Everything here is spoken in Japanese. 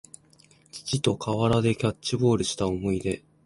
父と河原でキャッチボールした思い出